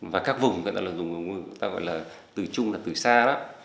và các vùng chúng ta gọi là từ chung là từ xa đó